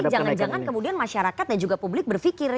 jangan jangan kemudian masyarakat dan juga publik berpikir